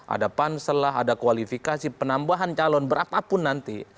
ada pansel lah ada kualifikasi penambahan calon berapapun nanti